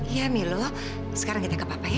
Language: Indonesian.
iya milo sekarang kita ke papa ya